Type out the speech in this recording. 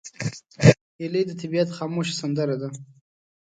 هیلۍ د طبیعت خاموشه سندره ده